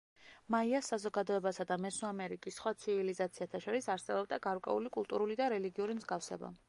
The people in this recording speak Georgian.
მაიას საზოგადოებასა და მესოამერიკის სხვა ცივილიზაციათა შორის არსებობდა გარკვეული კულტურული და რელიგიური მსგავსება.